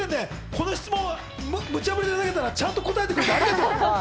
この質問、ムチャぶりで投げたら、ちゃんと答えてくれてありがとう。